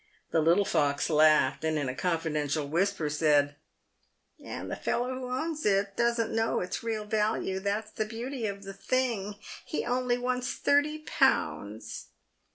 The little fox laughed, and, in a confiden tial whisper, said, "And the fellow who owns it doesn't know its real value — that's the beauty of the thing! He only wants thirty pounds."